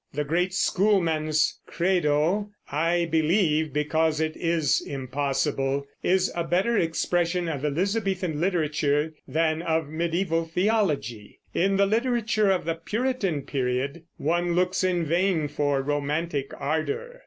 The great schoolman's credo, "I believe because it is impossible," is a better expression of Elizabethan literature than of mediæval theology. In the literature of the Puritan period one looks in vain for romantic ardor.